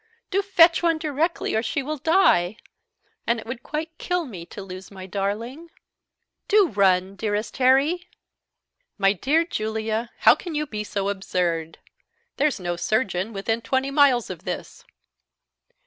Do fetch one directly, or she will die; and it would quite kill me to lose my darling. Do run, dearest Harry!" "My dear Julia, how can you be so absurd? There's no surgeon within twenty miles of this."